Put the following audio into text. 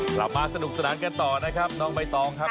กลับมาสนุกสนานกันต่อนะครับน้องใบตองครับ